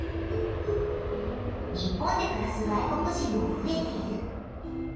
日本でくらす外国人もふえている。